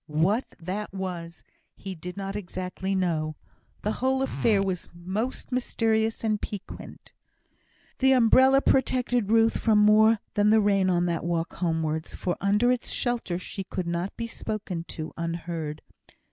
What that was he did not exactly know. The whole affair was most mysterious and piquant. The umbrella protected Ruth from more than the rain on that walk homewards, for under its shelter she could not be spoken to unheard.